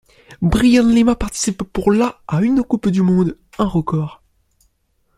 Brian Lima participe pour la à une coupe du monde, un record.